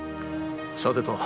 さてと。